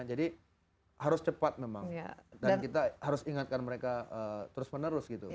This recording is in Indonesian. jadi harus cepat memang dan kita harus ingatkan mereka terus menerus gitu